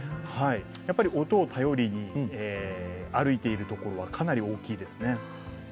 音を頼りに歩いているところはかなり大きいですね。